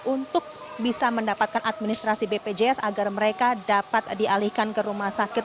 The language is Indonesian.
untuk bisa mendapatkan administrasi bpjs agar mereka dapat dialihkan ke rumah sakit